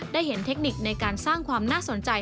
ได้เห็นเทคนิคในการสร้างความน่าสนใจ